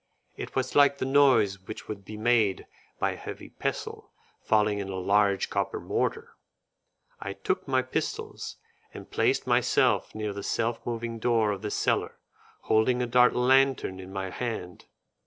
It was like the noise which would be made by a heavy pestle falling in a large copper mortar. I took my pistols and placed myself near the self moving door of the cellar, holding a dark lantern in my hand.